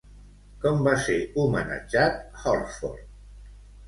Com va ser homenatjat Horsford?